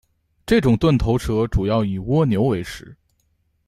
这种钝头蛇主要以蜗牛为食。